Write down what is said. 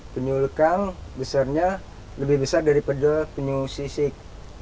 penyuh lekang besarnya lebih besar daripada penyuh sisik